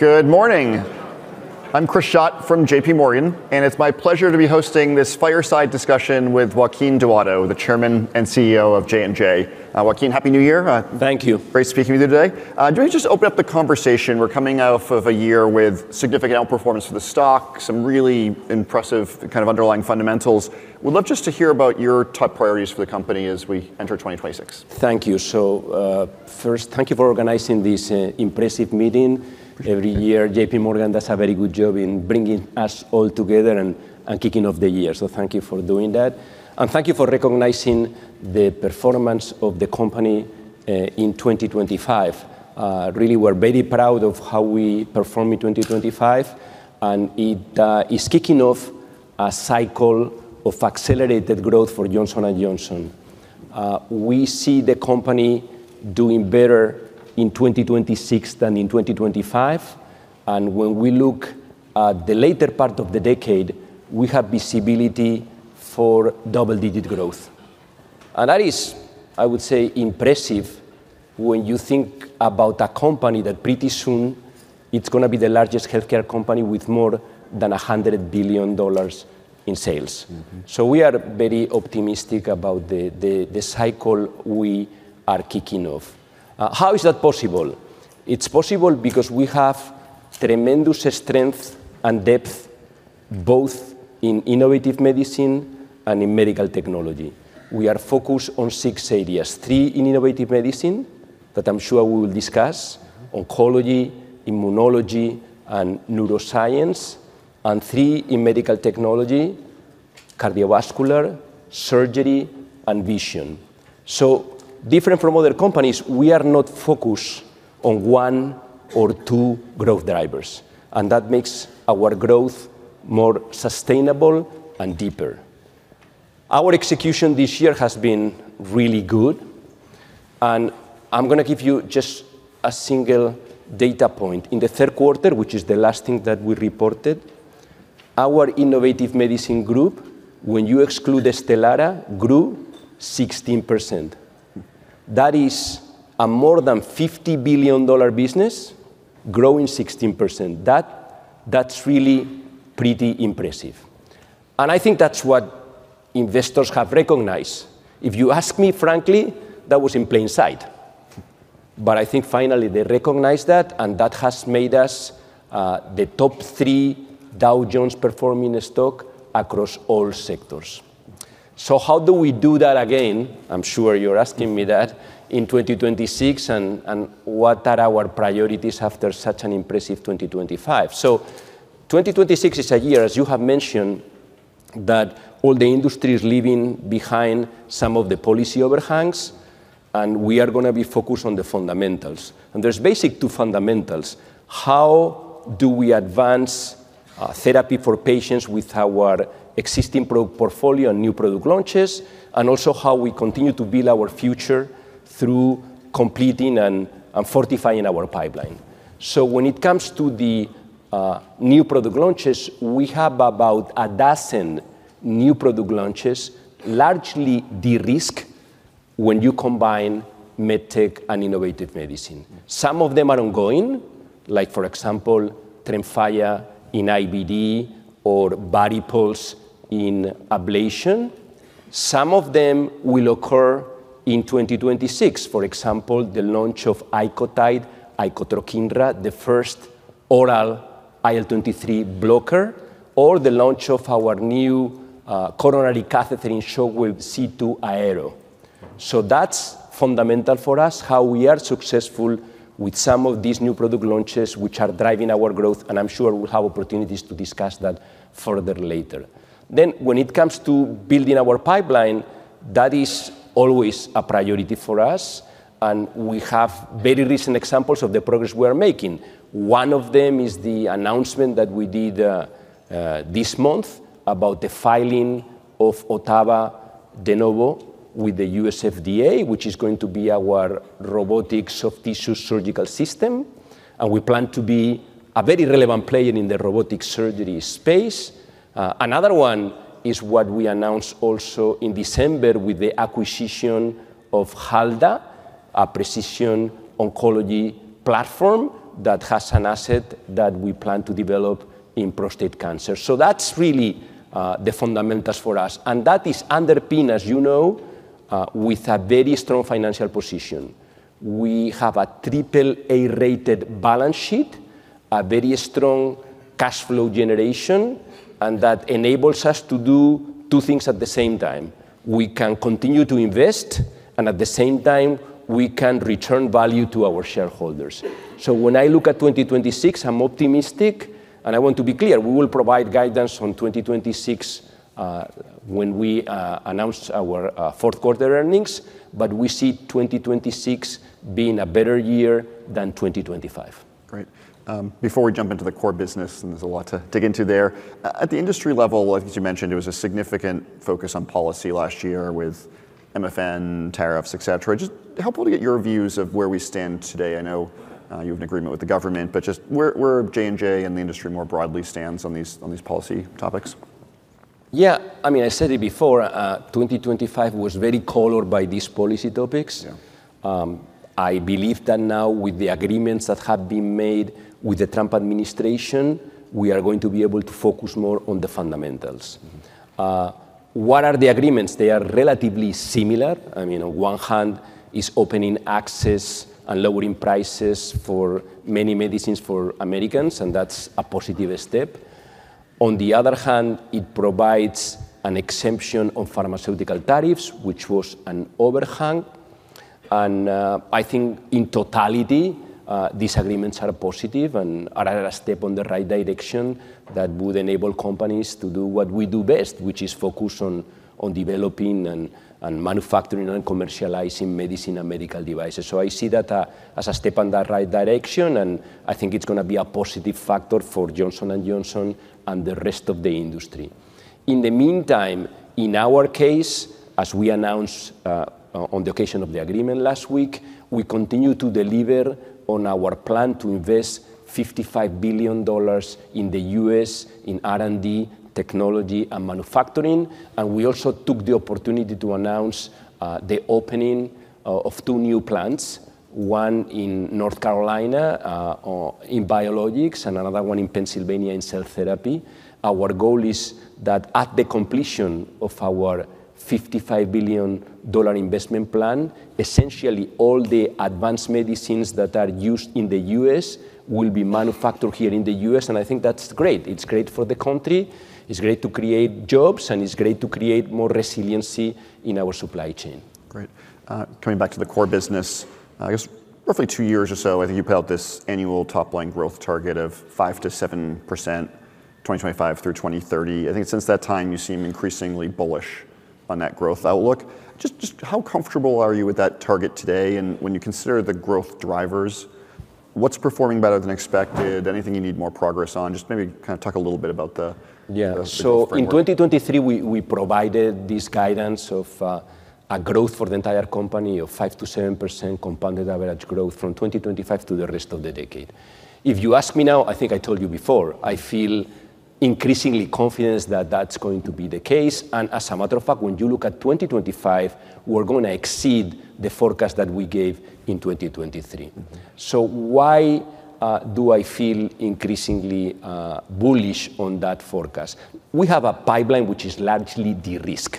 Good morning. I'm Chris Schott from JPMorgan, and it's my pleasure to be hosting this fireside discussion with Joaquin Duato, the Chairman and CEO of J&J. Joaquin, happy New Year. Thank you. Great speaking with you today. Do you want to just open up the conversation? We're coming off of a year with significant outperformance for the stock, some really impressive kind of underlying fundamentals. We'd love just to hear about your top priorities for the company as we enter 2026. Thank you. So first, thank you for organizing this impressive meeting. Every year, JPMorgan does a very good job in bringing us all together and kicking off the year. So thank you for doing that. And thank you for recognizing the performance of the company in 2025. Really, we're very proud of how we perform in 2025. And it is kicking off a cycle of accelerated growth for Johnson & Johnson. We see the company doing better in 2026 than in 2025. And when we look at the later part of the decade, we have visibility for double-digit growth. And that is, I would say, impressive when you think about a company that pretty soon it's going to be the largest healthcare company with more than $100 billion in sales. So we are very optimistic about the cycle we are kicking off. How is that possible? It's possible because we have tremendous strength and depth both in Innovative Medicine and in medical technology. We are focused on six areas: three in Innovative Medicine that I'm sure we will discuss, oncology, immunology, and neuroscience, and three in medical technology, cardiovascular, surgery, and vision. So different from other companies, we are not focused on one or two growth drivers. And that makes our growth more sustainable and deeper. Our execution this year has been really good. And I'm going to give you just a single data point. In the third quarter, which is the last thing that we reported, our Innovative Medicine group, when you exclude STELARA, grew 16%. That is a more than $50 billion business growing 16%. That's really pretty impressive. And I think that's what investors have recognized. If you ask me frankly, that was in plain sight. But I think finally they recognized that, and that has made us the top three Dow Jones performing stock across all sectors. So how do we do that again? I'm sure you're asking me that in 2026, and what are our priorities after such an impressive 2025? So 2026 is a year, as you have mentioned, that all the industry is leaving behind some of the policy overhangs, and we are going to be focused on the fundamentals. And there's basically two fundamentals. How do we advance therapy for patients with our existing portfolio and new product launches, and also how we continue to build our future through completing and fortifying our pipeline? So when it comes to the new product launches, we have about a dozen new product launches, largely de-risk when you combine MedTech and Innovative Medicine. Some of them are ongoing, like for example, TREMFYA in IBD or VARIPULSE in ablation. Some of them will occur in 2026, for example, the launch of Icotrokinra, the first oral IL-23 blocker, or the launch of our new coronary catheter in Shockwave C2+. So that's fundamental for us, how we are successful with some of these new product launches which are driving our growth, and I'm sure we'll have opportunities to discuss that further later. Then when it comes to building our pipeline, that is always a priority for us, and we have very recent examples of the progress we are making. One of them is the announcement that we did this month about the filing of Ottava with the U.S. FDA, which is going to be our robotic soft-tissue surgical system. We plan to be a very relevant player in the robotic surgery space. Another one is what we announced also in December with the acquisition of Halda, a precision oncology platform that has an asset that we plan to develop in prostate cancer. So that's really the fundamentals for us. And that is underpinned, as you know, with a very strong financial position. We have a triple-A rated balance sheet, a very strong cash flow generation, and that enables us to do two things at the same time. We can continue to invest, and at the same time, we can return value to our shareholders. So when I look at 2026, I'm optimistic, and I want to be clear, we will provide guidance on 2026 when we announce our fourth quarter earnings, but we see 2026 being a better year than 2025. Great. Before we jump into the core business, and there's a lot to dig into there, at the industry level, as you mentioned, there was a significant focus on policy last year with MFN, tariffs, et cetera. Just helpful to get your views of where we stand today. I know you have an agreement with the government, but just where J&J and the industry more broadly stands on these policy topics? Yeah, I mean, I said it before, 2025 was very colored by these policy topics. I believe that now with the agreements that have been made with the Trump administration, we are going to be able to focus more on the fundamentals. What are the agreements? They are relatively similar. I mean, on one hand, it's opening access and lowering prices for many medicines for Americans, and that's a positive step. On the other hand, it provides an exemption on pharmaceutical tariffs, which was an overhang, and I think in totality, these agreements are positive and are a step in the right direction that would enable companies to do what we do best, which is focus on developing and manufacturing and commercializing medicine and medical devices. So I see that as a step in the right direction, and I think it's going to be a positive factor for Johnson & Johnson and the rest of the industry. In the meantime, in our case, as we announced on the occasion of the agreement last week, we continue to deliver on our plan to invest $55 billion in the U.S. in R&D, technology, and manufacturing. And we also took the opportunity to announce the opening of two new plants, one in North Carolina in biologics and another one in Pennsylvania in cell therapy. Our goal is that at the completion of our $55 billion investment plan, essentially all the advanced medicines that are used in the U.S. will be manufactured here in the U.S. And I think that's great. It's great for the country. It's great to create jobs, and it's great to create more resiliency in our supply chain. Great. Coming back to the core business, I guess roughly two years or so, I think you put out this annual top-line growth target of 5%-7%, 2025 through 2030. I think since that time, you seem increasingly bullish on that growth outlook. Just how comfortable are you with that target today? And when you consider the growth drivers, what's performing better than expected? Anything you need more progress on? Just maybe kind of talk a little bit about the. Yeah, so in 2023, we provided this guidance of a growth for the entire company of 5%-7% compounded average growth from 2025 to the rest of the decade. If you ask me now, I think I told you before, I feel increasingly confident that that's going to be the case, and as a matter of fact, when you look at 2025, we're going to exceed the forecast that we gave in 2023, so why do I feel increasingly bullish on that forecast? We have a pipeline which is largely de-risk,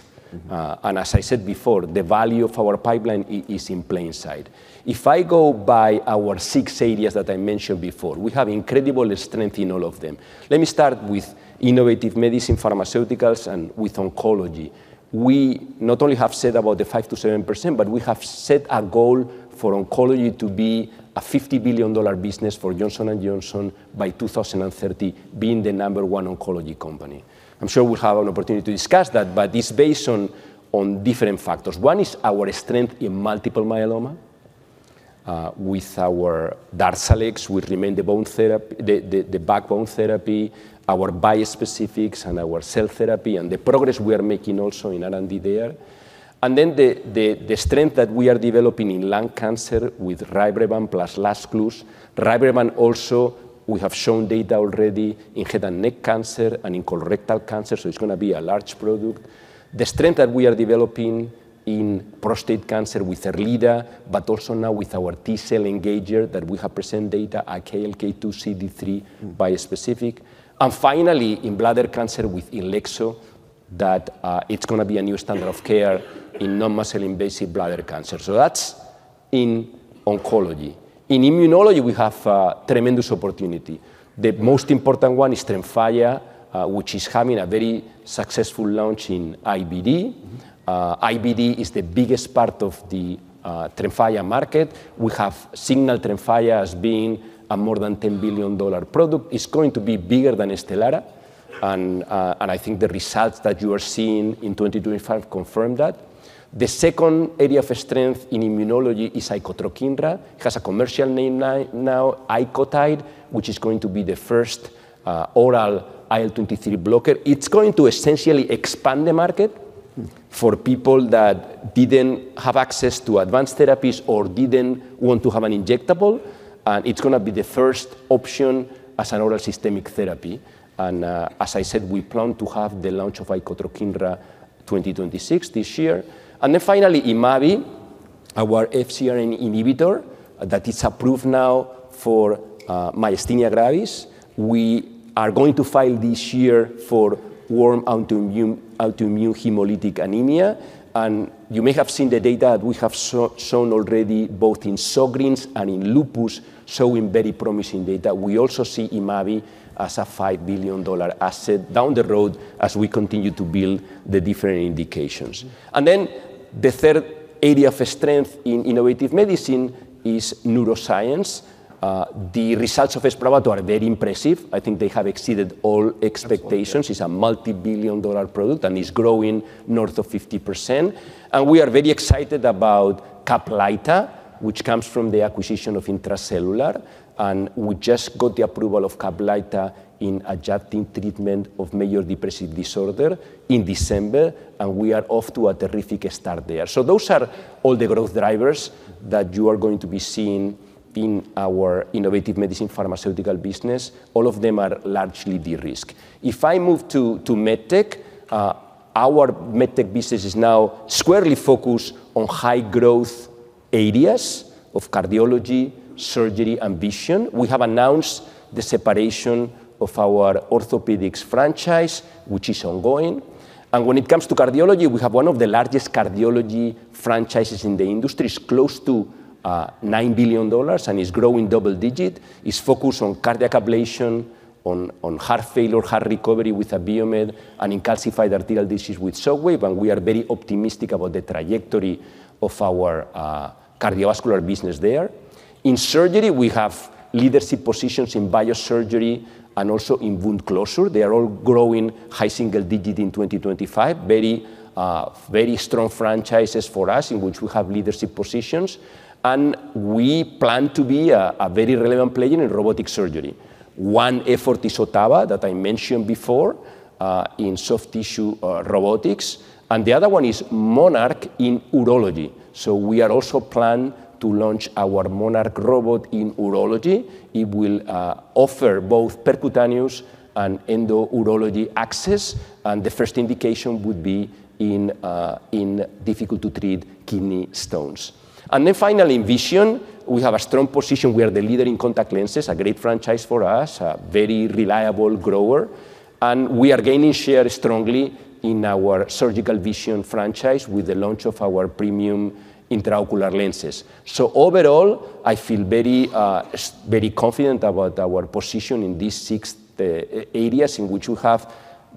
and as I said before, the value of our pipeline is in plain sight. If I go by our six areas that I mentioned before, we have incredible strength in all of them. Let me start with Innovative Medicine, pharmaceuticals, and with oncology. We not only have said about the 5%-7%, but we have set a goal for oncology to be a $50 billion business for Johnson & Johnson by 2030, being the number one oncology company. I'm sure we'll have an opportunity to discuss that, but it's based on different factors. One is our strength in multiple myeloma with our DARZALEX, with BCMA therapy, the backbone therapy, our bispecifics and our cell therapy, and the progress we are making also in R&D there. And then the strength that we are developing in lung cancer with RYBREVANT plus LAZCLUZE. RYBREVANT also, we have shown data already in head and neck cancer and in colorectal cancer, so it's going to be a large product. The strength that we are developing in prostate cancer with ERLEADA, but also now with our T-cell engager that we have presented data, KLK2xCD3 bispecific. Finally, in bladder cancer with TAR-200, that it's going to be a new standard of care in non-muscle invasive bladder cancer. That's in oncology. In immunology, we have tremendous opportunity. The most important one is TREMFYA, which is having a very successful launch in IBD. IBD is the biggest part of the TREMFYA market. We have signaled TREMFYA as being a more than $10 billion product. It's going to be bigger than STELARA. I think the results that you are seeing in 2025 confirm that. The second area of strength in immunology is Icotrokinra. It has a commercial name now, Icotrokinra, which is going to be the first oral IL-23 blocker. It's going to essentially expand the market for people that didn't have access to advanced therapies or didn't want to have an injectable. It's going to be the first option as an oral systemic therapy. As I said, we plan to have the launch of Icotrokinra 2026 this year. And then finally, Nipocalimab, our FcRn inhibitor that is approved now for myasthenia gravis. We are going to file this year for warm autoimmune hemolytic anemia. And you may have seen the data that we have shown already both in Sjögren's and in lupus, showing very promising data. We also see Nipocalimab as a $5 billion asset down the road as we continue to build the different indications. And then the third area of strength in Innovative Medicine is neuroscience. The results of SPRAVATO are very impressive. I think they have exceeded all expectations. It's a multi-billion dollar product, and it's growing north of 50%. And we are very excited about CAPLYTA, which comes from the acquisition of Intra-Cellular. And we just got the approval of CAPLYTA in adjunctive treatment of major depressive disorder in December, and we are off to a terrific start there. So those are all the growth drivers that you are going to be seeing in our Innovative Medicine pharmaceutical business. All of them are largely de-risked. If I move to MedTech, our MedTech business is now squarely focused on high growth areas of cardiology, surgery, and vision. We have announced the separation of our Orthopedics franchise, which is ongoing. And when it comes to cardiology, we have one of the largest cardiology franchises in the industry. It's close to $9 billion, and it's growing double-digit. It's focused on cardiac ablation, on heart failure, heart recovery with Abiomed, and in calcified arterial disease with Shockwave. And we are very optimistic about the trajectory of our cardiovascular business there. In surgery, we have leadership positions in biosurgery and also in wound closure. They are all growing high single digit in 2025. Very strong franchises for us in which we have leadership positions. And we plan to be a very relevant player in robotic surgery. One effort is Ottava that I mentioned before in soft tissue robotics. And the other one is MONARCH in urology. So we are also planning to launch our MONARCH robot in urology. It will offer both percutaneous and endourology access. And the first indication would be in difficult-to-treat kidney stones. And then finally, in vision, we have a strong position. We are the leader in contact lenses, a great franchise for us, a very reliable grower. And we are gaining share strongly in our surgical vision franchise with the launch of our premium intraocular lenses. So overall, I feel very confident about our position in these six areas in which we have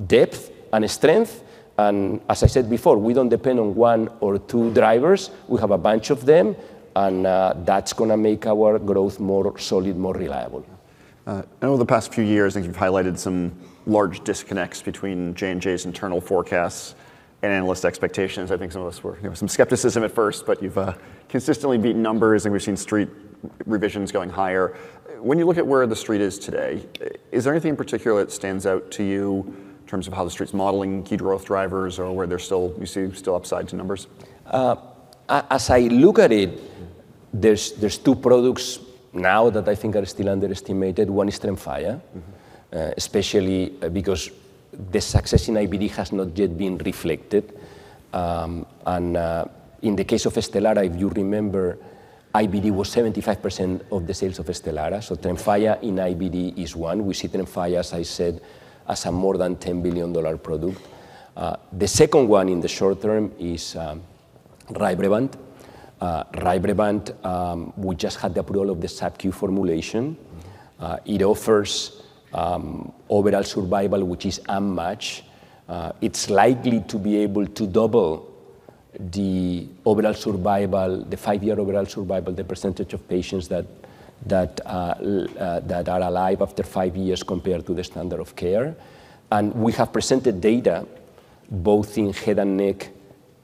depth and strength. And as I said before, we don't depend on one or two drivers. We have a bunch of them, and that's going to make our growth more solid, more reliable. Over the past few years, I think you've highlighted some large disconnects between J&J's internal forecasts and analyst expectations. I think there was some skepticism at first, but you've consistently beaten numbers, and we've seen street revisions going higher. When you look at where the street is today, is there anything in particular that stands out to you in terms of how the street's modeling key growth drivers or where you see still upside to numbers? As I look at it, there's two products now that I think are still underestimated. One is TREMFYA, especially because the success in IBD has not yet been reflected. And in the case of STELARA, if you remember, IBD was 75% of the sales of STELARA. So TREMFYA in IBD is one. We see TREMFYA, as I said, as a more than $10 billion product. The second one in the short term is RYBREVANT. RYBREVANT, we just had the approval of the subcutaneous formulation. It offers overall survival, which is unmatched. It's likely to be able to double the overall survival, the five-year overall survival, the percentage of patients that are alive after five years compared to the standard of care. And we have presented data both in head and neck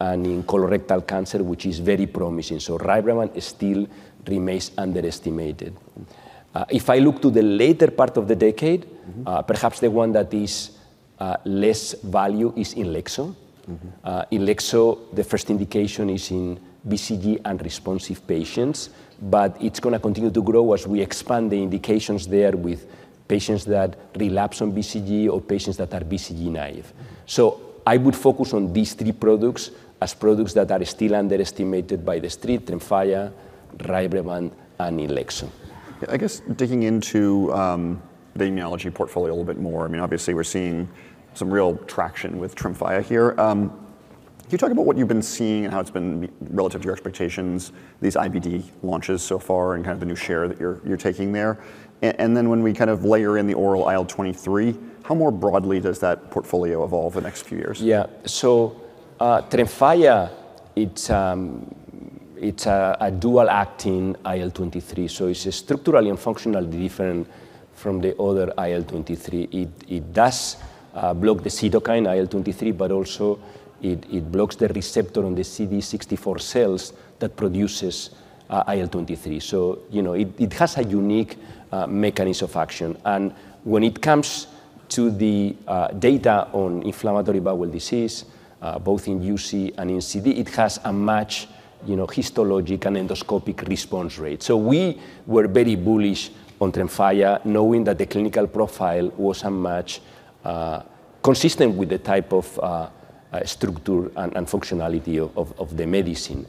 and in colorectal cancer, which is very promising. So RYBREVANT still remains underestimated. If I look to the later part of the decade, perhaps the one that is less value is INLEXZO. INLEXZO, the first indication is in BCG unresponsive patients, but it's going to continue to grow as we expand the indications there with patients that relapse on BCG or patients that are BCG naive. So I would focus on these three products as products that are still underestimated by the street: TREMFYA, RYBREVANT, and INLEXZO. I guess digging into the immunology portfolio a little bit more, I mean, obviously we're seeing some real traction with TREMFYA here. Can you talk about what you've been seeing and how it's been relative to your expectations, these IBD launches so far and kind of the new share that you're taking there? And then when we kind of layer in the oral IL-23, how more broadly does that portfolio evolve the next few years? Yeah. So TREMFYA, it's a dual-acting IL-23. So it's structurally and functionally different from the other IL-23. It does block the cytokine IL-23, but also it blocks the receptor on the CD64 cells that produces IL-23. So it has a unique mechanism of action. And when it comes to the data on inflammatory bowel disease, both in UC and in CD, it has a matched histologic and endoscopic response rate. So we were very bullish on TREMFYA, knowing that the clinical profile was a match consistent with the type of structure and functionality of the medicine.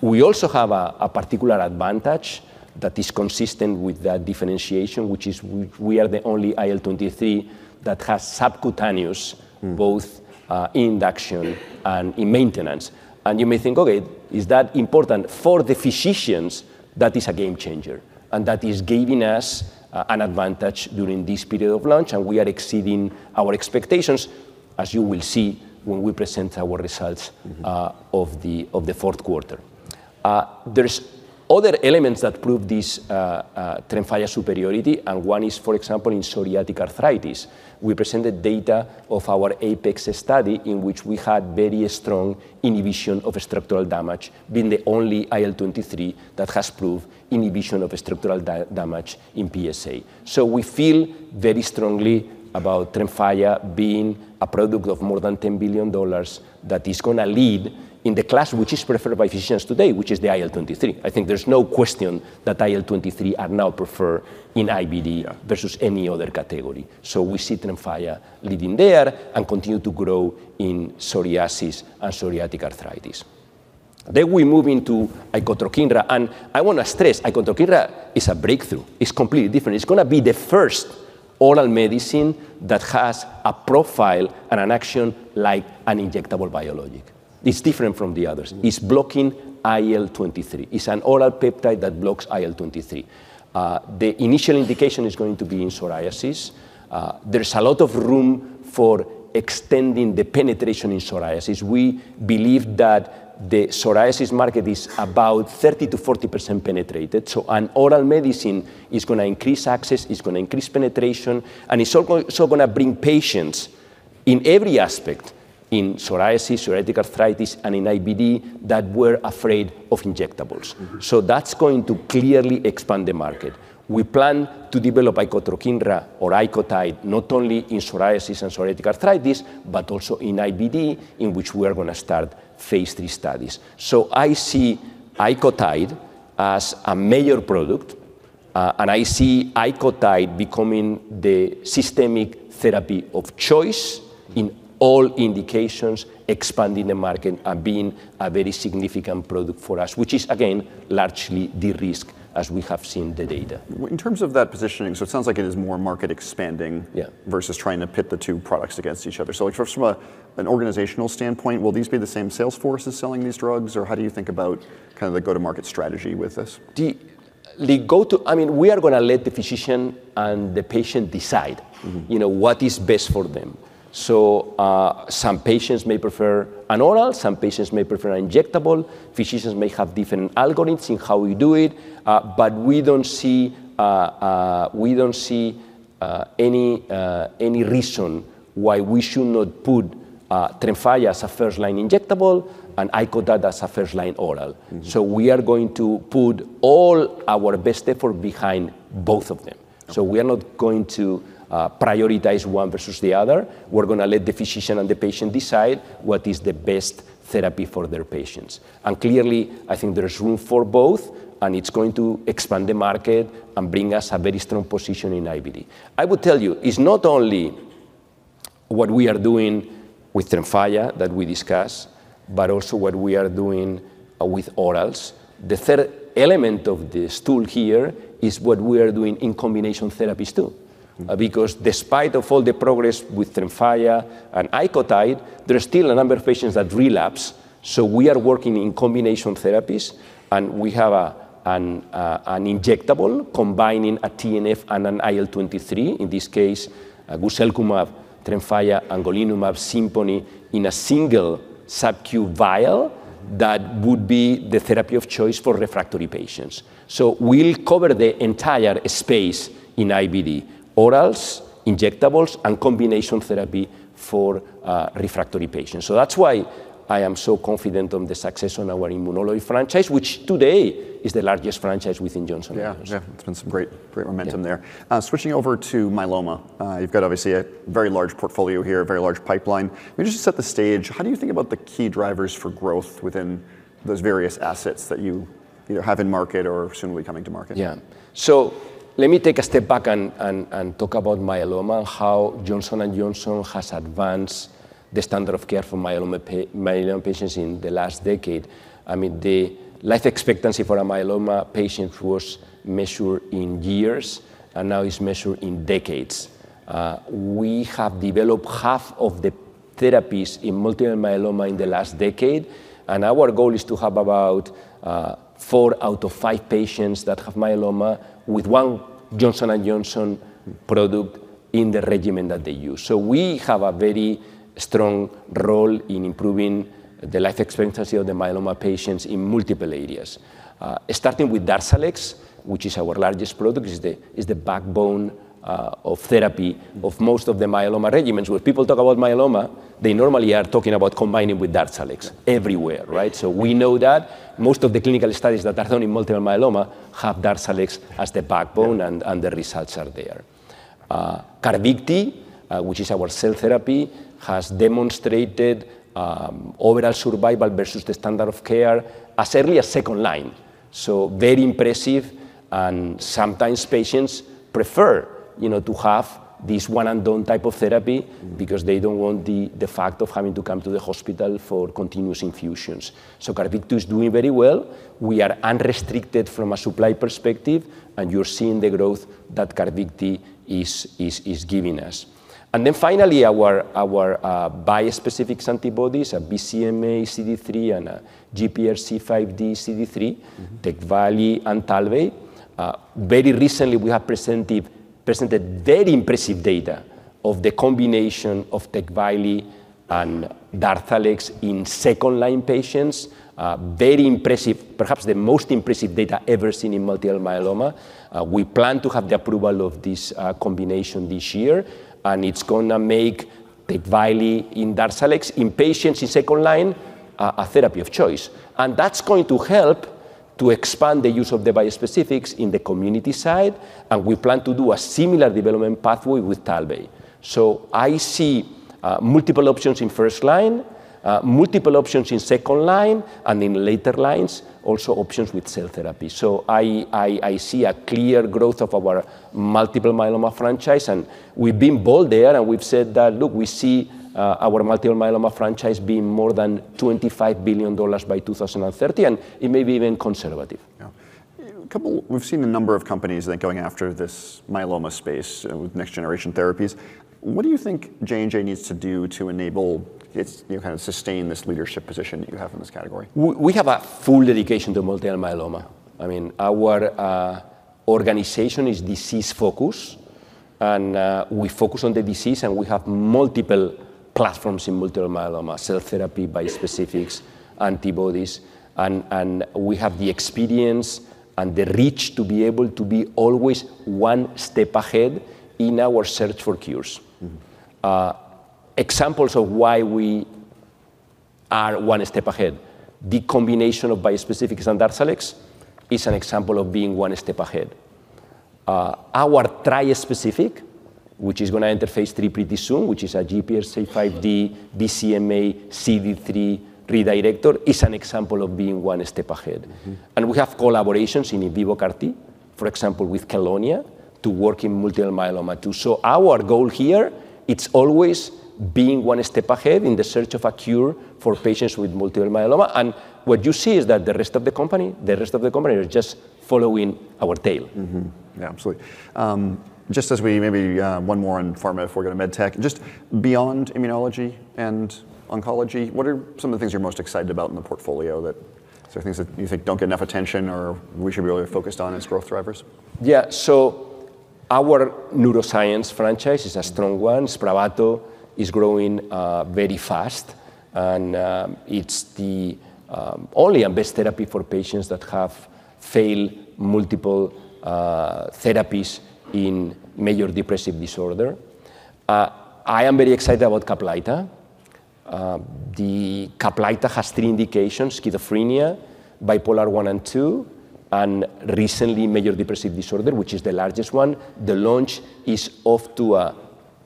We also have a particular advantage that is consistent with that differentiation, which is we are the only IL-23 that has subcutaneous both in induction and in maintenance. And you may think, okay, is that important? For the physicians, that is a game changer, and that is giving us an advantage during this period of launch, and we are exceeding our expectations, as you will see when we present our results of the fourth quarter. There's other elements that prove this TREMFYA superiority, and one is, for example, in psoriatic arthritis. We presented data of our APEX study in which we had very strong inhibition of structural damage, being the only IL-23 that has proved inhibition of structural damage in PsA. So we feel very strongly about TREMFYA being a product of more than $10 billion that is going to lead in the class which is preferred by physicians today, which is the IL-23. I think there's no question that IL-23 are now preferred in IBD versus any other category. So we see TREMFYA leading there and continue to grow in psoriasis and psoriatic arthritis. Then we move into Icotrokinra, and I want to stress Icotrokinra is a breakthrough. It's completely different. It's going to be the first oral medicine that has a profile and an action like an injectable biologic. It's different from the others. It's blocking IL-23. It's an oral peptide that blocks IL-23. The initial indication is going to be in psoriasis. There's a lot of room for extending the penetration in psoriasis. We believe that the psoriasis market is about 30%-40% penetrated. So an oral medicine is going to increase access, is going to increase penetration, and it's also going to bring patients in every aspect in psoriasis, psoriatic arthritis, and in IBD that were afraid of injectables. So that's going to clearly expand the market. We plan to develop Icotrokinra not only in psoriasis and psoriatic arthritis, but also in IBD, in which we are going to start Phase 3 studies. So I see Icotrokinra as a major product, and I see Icotrokinra becoming the systemic therapy of choice in all indications, expanding the market and being a very significant product for us, which is, again, largely de-risked as we have seen the data. In terms of that positioning, so it sounds like it is more market expanding versus trying to pit the two products against each other. So from an organizational standpoint, will these be the same sales forces selling these drugs, or how do you think about kind of the go-to-market strategy with this? I mean, we are going to let the physician and the patient decide what is best for them, so some patients may prefer an oral, some patients may prefer an injectable. Physicians may have different algorithms in how we do it, but we don't see any reason why we should not put TREMFYA as a first-line injectable and Icotide as a first-line oral, so we are going to put all our best effort behind both of them, so we are not going to prioritize one versus the other. We're going to let the physician and the patient decide what is the best therapy for their patients, and clearly, I think there's room for both, and it's going to expand the market and bring us a very strong position in IBD. I would tell you, it's not only what we are doing with TREMFYA that we discuss, but also what we are doing with orals. The third element of this tool here is what we are doing in combination therapies too, because despite all the progress with TREMFYA and Icotrokinra, there's still a number of patients that relapse. So we are working in combination therapies, and we have an injectable combining a TNF and an IL-23, in this case, guselkumab, TREMFYA, and golimumab, SIMPONI in a single subcutaneous vial that would be the therapy of choice for refractory patients. So we'll cover the entire space in IBD: orals, injectables, and combination therapy for refractory patients. So that's why I am so confident on the success on our immunology franchise, which today is the largest franchise within Johnson & Johnson. Yeah, it's been some great momentum there. Switching over to Myeloma, you've got obviously a very large portfolio here, a very large pipeline. Maybe just to set the stage, how do you think about the key drivers for growth within those various assets that you have in market or soon will be coming to market? Yeah. So let me take a step back and talk about myeloma and how Johnson & Johnson has advanced the standard of care for myeloma patients in the last decade. I mean, the life expectancy for a myeloma patient was measured in years, and now it's measured in decades. We have developed half of the therapies in multiple myeloma in the last decade, and our goal is to have about four out of five patients that have myeloma with one Johnson & Johnson product in the regimen that they use. So we have a very strong role in improving the life expectancy of the myeloma patients in multiple areas, starting with DARZALEX, which is our largest product. It's the backbone of therapy of most of the myeloma regimens. When people talk about myeloma, they normally are talking about combining with DARZALEX everywhere, right? We know that most of the clinical studies that are done in multiple myeloma have DARZALEX as the backbone, and the results are there. CARVYKTI, which is our cell therapy, has demonstrated overall survival versus the standard of care as early as second line. Very impressive, and sometimes patients prefer to have this one-and-done type of therapy because they don't want the fact of having to come to the hospital for continuous infusions. CARVYKTI is doing very well. We are unrestricted from a supply perspective, and you're seeing the growth that CARVYKTI is giving us. Then finally, our bispecific antibodies, a BCMAxCD3, and a GPRC5DxCD3, TECVAYLI, and TALVEY. Very recently, we have presented very impressive data of the combination of TECVAYLI and DARZALEX in second-line patients. Very impressive, perhaps the most impressive data ever seen in multiple myeloma. We plan to have the approval of this combination this year, and it's going to make TECVAYLI and DARZALEX in patients in second line a therapy of choice. And that's going to help to expand the use of the bispecifics in the community side, and we plan to do a similar development pathway with TALVEY. So I see multiple options in first line, multiple options in second line, and in later lines, also options with cell therapy. So I see a clear growth of our multiple myeloma franchise, and we've been bold there, and we've said that, look, we see our multiple myeloma franchise being more than $25 billion by 2030, and it may be even conservative. We've seen a number of companies that are going after this myeloma space with next-generation therapies. What do you think J&J needs to do to enable, kind of sustain this leadership position that you have in this category? We have a full dedication to multiple myeloma. I mean, our organization is disease-focused, and we focus on the disease, and we have multiple platforms in multiple myeloma: cell therapy, bispecifics, antibodies, and we have the experience and the reach to be able to be always one step ahead in our search for cures. Examples of why we are one step ahead: the combination of bispecifics and DARZALEX is an example of being one step ahead. Our trispecific, which is going to enter Phase 3 pretty soon, which is a GPRC5D, BCMAxCD3 redirector, is an example of being one step ahead. And we have collaborations in in vivo CAR-T, for example, with Kelonia to work in multiple myeloma too. Our goal here is always being one step ahead in the search of a cure for patients with multiple myeloma. What you see is that the rest of the company are just following our tail. Yeah, absolutely. Just as we maybe one more in pharma, if we're going to MedTech, just beyond immunology and oncology, what are some of the things you're most excited about in the portfolio? Are there things that you think don't get enough attention or we should be really focused on as growth drivers? Yeah, so our neuroscience franchise is a strong one. SPRAVATO is growing very fast, and it's the only and best therapy for patients that have failed multiple therapies in major depressive disorder. I am very excited about CAPLYTA. The CAPLYTA has three indications: schizophrenia, bipolar I and II, and recently major depressive disorder, which is the largest one. The launch is off to a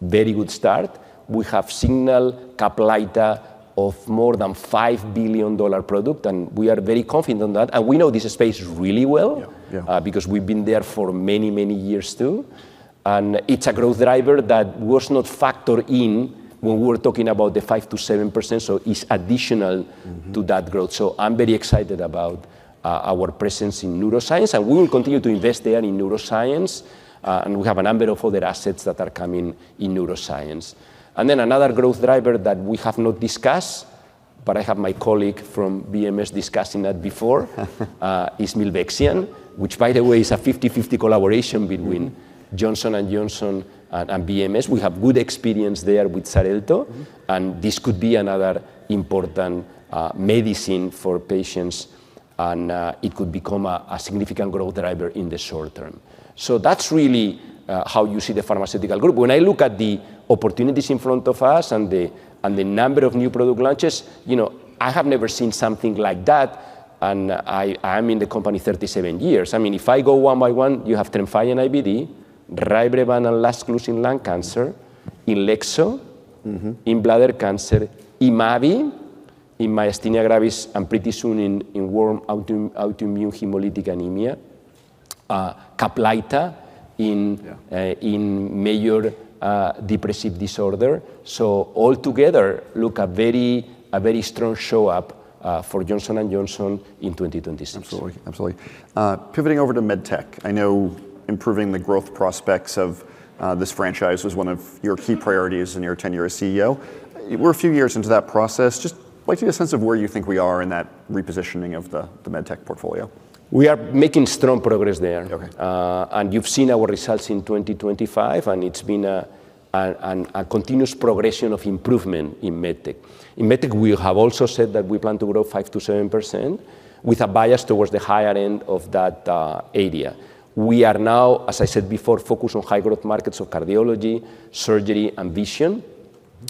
very good start. We have signaled CAPLYTA of more than $5 billion product, and we are very confident on that. And we know this space really well because we've been there for many, many years too. And it's a growth driver that was not factored in when we were talking about the 5%-7%, so it's additional to that growth. I'm very excited about our presence in neuroscience, and we will continue to invest there in neuroscience, and we have a number of other assets that are coming in neuroscience. Another growth driver that we have not discussed, but I have my colleague from BMS discussing that before, is Milvexian, which, by the way, is a 50/50 collaboration between Johnson & Johnson and BMS. We have good experience there with Xarelto, and this could be another important medicine for patients, and it could become a significant growth driver in the short term. That's really how you see the pharmaceutical group. When I look at the opportunities in front of us and the number of new product launches, I have never seen something like that, and I am in the company 37 years. I mean, if I go one by one, you have TREMFYA in IBD, RYBREVANT and LAZCLUZE lung cancer, TAR-200 in bladder cancer, Nipocalimab in myasthenia gravis, and pretty soon in warm autoimmune hemolytic anemia, CAPLYTA in major depressive disorder. So altogether, look, a very strong lineup for Johnson & Johnson in 2026. Absolutely. Pivoting over to MedTech, I know improving the growth prospects of this franchise was one of your key priorities in your tenure as CEO. We're a few years into that process. Just like to get a sense of where you think we are in that repositioning of the MedTech portfolio. We are making strong progress there, and you've seen our results in 2025, and it's been a continuous progression of improvement in MedTech. In MedTech, we have also said that we plan to grow 5%-7% with a bias towards the higher end of that area. We are now, as I said before, focused on high-growth markets of cardiology, surgery, and vision,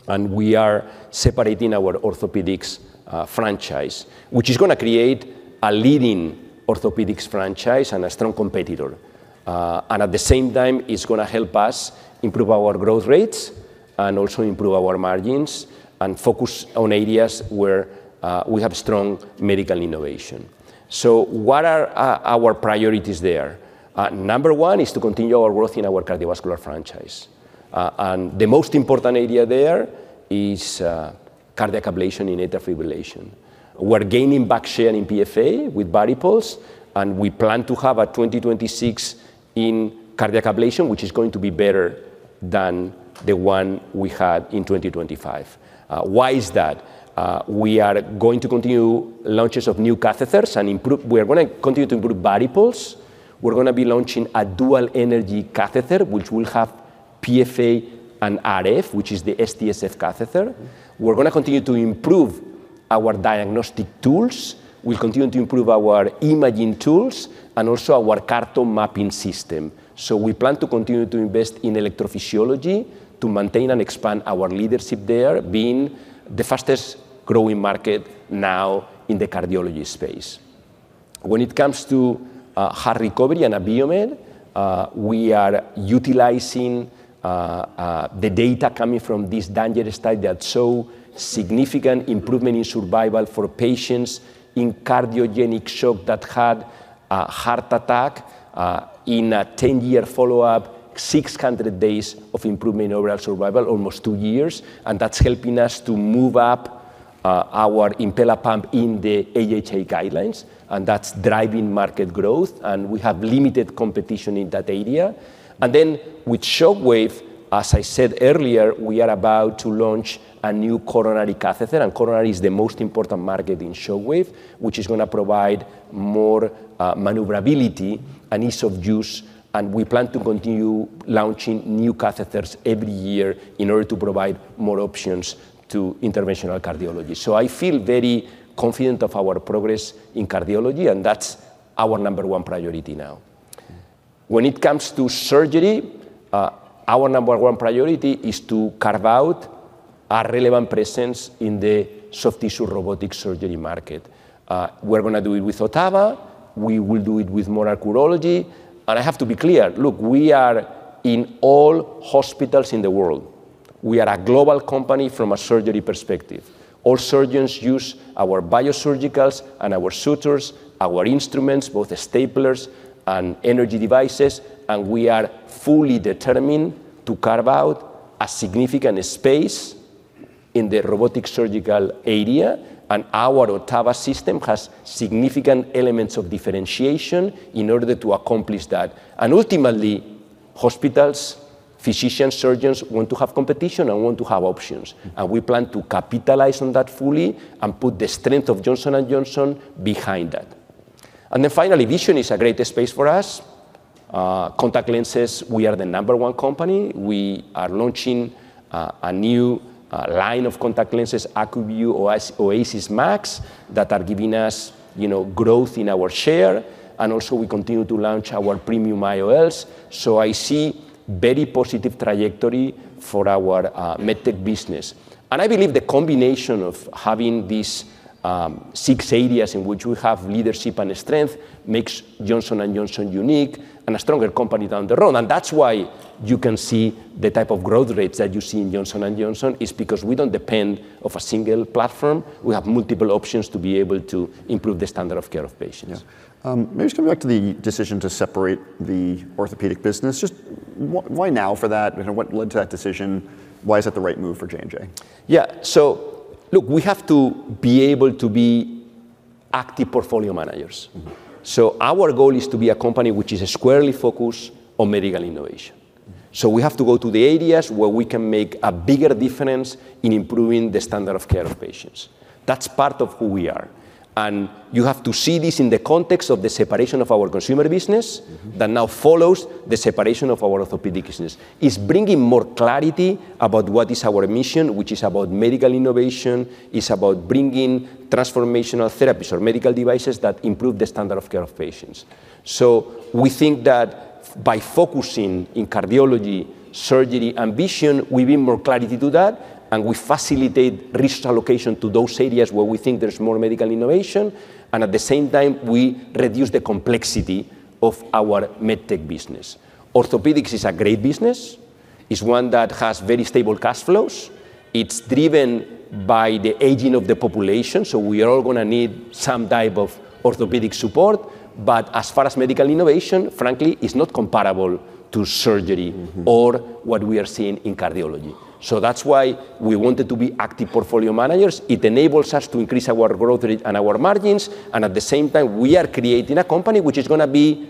and we are separating our Orthopedics franchise, which is going to create a leading Orthopedics franchise and a strong competitor. And at the same time, it's going to help us improve our growth rates and also improve our margins and focus on areas where we have strong medical innovation. So what are our priorities there? Number one is to continue our growth in our cardiovascular franchise. And the most important area there is cardiac ablation in atrial fibrillation. We're gaining back share in PFA with VARIPULSE, and we plan to have a 2026 in cardiac ablation, which is going to be better than the one we had in 2025. Why is that? We are going to continue launches of new catheters, and we are going to continue to improve VARIPULSE. We're going to be launching a dual-energy catheter, which will have PFA and RF, which is the STSF catheter. We're going to continue to improve our diagnostic tools. We'll continue to improve our imaging tools and also our CARTO mapping system. So we plan to continue to invest in electrophysiology to maintain and expand our leadership there, being the fastest-growing market now in the cardiology space. When it comes to heart recovery and Abiomed, we are utilizing the data coming from this DanGer Shock study that showed significant improvement in survival for patients in cardiogenic shock that had a heart attack. In a 10-year follow-up, 600 days of improvement in overall survival, almost two years, and that's helping us to move up our Impella pump in the AHA guidelines, and that's driving market growth, and we have limited competition in that area. And then with Shockwave, as I said earlier, we are about to launch a new coronary catheter, and coronary is the most important market in Shockwave, which is going to provide more maneuverability and ease of use, and we plan to continue launching new catheters every year in order to provide more options to interventional cardiology. So I feel very confident of our progress in cardiology, and that's our number one priority now. When it comes to surgery, our number one priority is to carve out a relevant presence in the soft tissue robotic surgery market. We're going to do it with Ottava. We will do it with MONARCH Urology, and I have to be clear, look, we are in all hospitals in the world. We are a global company from a surgery perspective. All surgeons use our biosurgicals and our sutures, our instruments, both staplers and energy devices, and we are fully determined to carve out a significant space in the robotic surgical area, and our Ottava system has significant elements of differentiation in order to accomplish that. And ultimately, hospitals, physicians, surgeons want to have competition and want to have options, and we plan to capitalize on that fully and put the strength of Johnson & Johnson behind that. And then finally, vision is a great space for us. Contact lenses, we are the number one company. We are launching a new line of contact lenses, ACUVUE OASYS MAX, that are giving us growth in our share, and also we continue to launch our premium IOLs. So I see a very positive trajectory for our MedTech business. And I believe the combination of having these six areas in which we have leadership and strength makes Johnson & Johnson unique and a stronger company down the road. And that's why you can see the type of growth rates that you see in Johnson & Johnson is because we don't depend on a single platform. We have multiple options to be able to improve the standard of care of patients. Maybe just coming back to the decision to separate the Orthopedic business. Just why now for that? What led to that decision? Why is that the right move for J&J? Yeah, so look, we have to be able to be active portfolio managers. So our goal is to be a company which is squarely focused on medical innovation. So we have to go to the areas where we can make a bigger difference in improving the standard of care of patients. That's part of who we are. And you have to see this in the context of the separation of our consumer business that now follows the separation of our Orthopedic business. It's bringing more clarity about what is our mission, which is about medical innovation. It's about bringing transformational therapies or medical devices that improve the standard of care of patients. So we think that by focusing in cardiology, surgery, and vision, we bring more clarity to that, and we facilitate risk allocation to those areas where we think there's more medical innovation, and at the same time, we reduce the complexity of our MedTech business. Orthopedics is a great business. It's one that has very stable cash flows. It's driven by the aging of the population, so we are all going to need some type of orthopedic support. But as far as medical innovation, frankly, it's not comparable to surgery or what we are seeing in cardiology. So that's why we wanted to be active portfolio managers. It enables us to increase our growth rate and our margins, and at the same time, we are creating a company which is going to be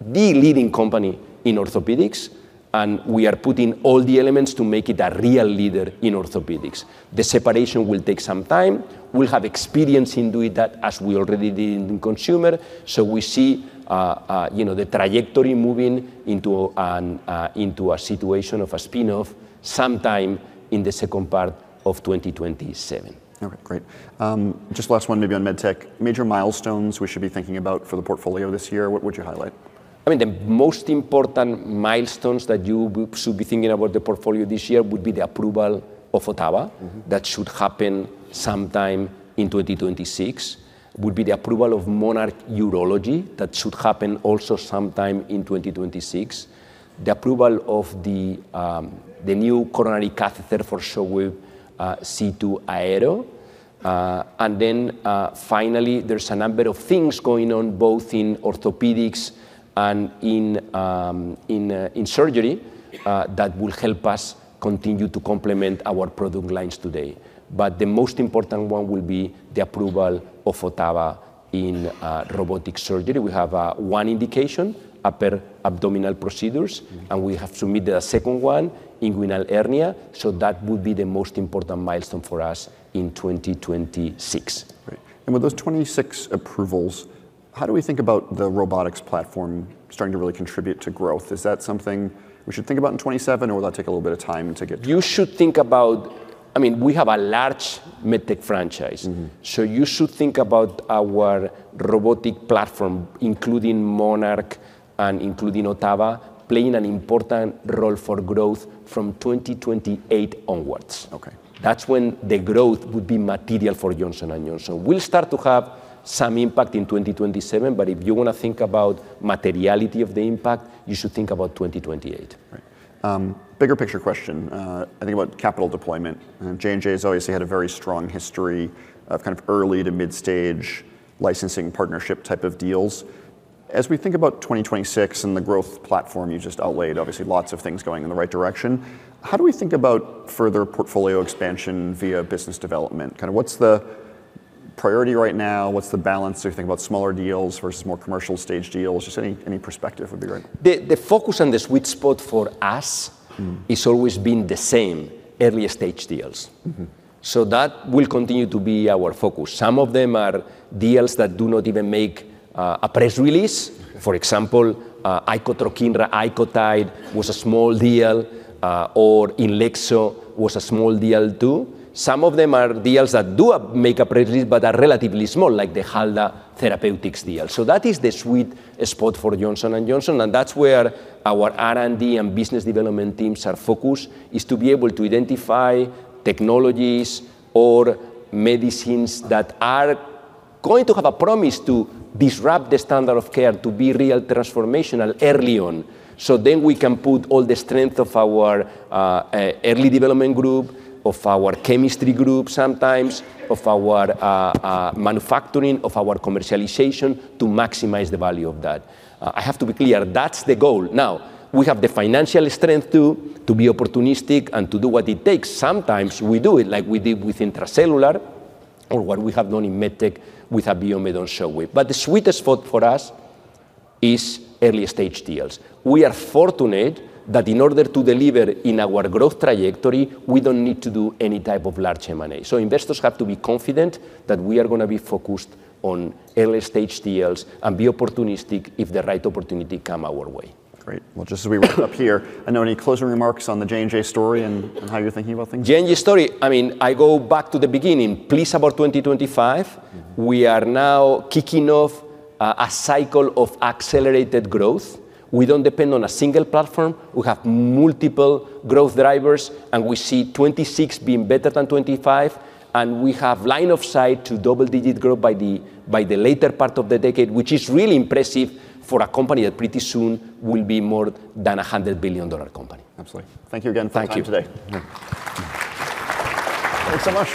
the leading company in Orthopedics, and we are putting all the elements to make it a real leader in Orthopedics. The separation will take some time. We'll have experience in doing that, as we already did in consumer, so we see the trajectory moving into a situation of a spin-off sometime in the second part of 2027. Okay, great. Just last one, maybe on MedTech. Major milestones we should be thinking about for the portfolio this year, what would you highlight? I mean, the most important milestones that you should be thinking about the portfolio this year would be the approval of Ottava that should happen sometime in 2026. It would be the approval of MONARCH Urology that should happen also sometime in 2026. The approval of the new coronary catheter for Shockwave C2+. And then finally, there's a number of things going on both in Orthopedics and in surgery that will help us continue to complement our product lines today. But the most important one will be the approval of Ottava in robotic surgery. We have one indication, upper abdominal procedures, and we have submitted a second one, inguinal hernia. So that would be the most important milestone for us in 2026. With those 26 approvals, how do we think about the robotics platform starting to really contribute to growth? Is that something we should think about in 2027, or will that take a little bit of time to get to? You should think about, I mean, we have a large MedTech franchise, so you should think about our robotic platform, including MONARCH and including Ottava, playing an important role for growth from 2028 onwards. That's when the growth would be material for Johnson & Johnson. We'll start to have some impact in 2027, but if you want to think about materiality of the impact, you should think about 2028. Bigger picture question. I think about capital deployment. J&J has obviously had a very strong history of kind of early to mid-stage licensing partnership type of deals. As we think about 2026 and the growth platform you just outlained, obviously lots of things going in the right direction. How do we think about further portfolio expansion via business development? Kind of what's the priority right now? What's the balance? Do you think about smaller deals versus more commercial stage deals? Just any perspective would be great. The focus and the sweet spot for us has always been the same, early stage deals. So that will continue to be our focus. Some of them are deals that do not even make a press release. For example, Icotrokinra, Icotide was a small deal, or TAR-200 was a small deal too. Some of them are deals that do make a press release, but are relatively small, like the Halda Therapeutics deal. So that is the sweet spot for Johnson & Johnson, and that's where our R&D and business development teams are focused, is to be able to identify technologies or medicines that are going to have a promise to disrupt the standard of care, to be real transformational early on. So then we can put all the strength of our early development group, of our chemistry group sometimes, of our manufacturing, of our commercialization to maximize the value of that. I have to be clear, that's the goal. Now, we have the financial strength too to be opportunistic and to do what it takes. Sometimes we do it like we did with Intra-Cellular or what we have done in MedTech with Abiomed on Shockwave. But the sweetest spot for us is early stage deals. We are fortunate that in order to deliver in our growth trajectory, we don't need to do any type of large M&A. So investors have to be confident that we are going to be focused on early stage deals and be opportunistic if the right opportunity comes our way. Great. Well, just as we wrap up here, I know any closing remarks on the J&J story and how you're thinking about things? J&J story, I mean, I go back to the beginning, please, about 2025. We are now kicking off a cycle of accelerated growth. We don't depend on a single platform. We have multiple growth drivers, and we see 2026 being better than 2025, and we have line of sight to double-digit growth by the later part of the decade, which is really impressive for a company that pretty soon will be more than a $100 billion company. Absolutely. Thank you again for coming today. Thank you. Thanks so much.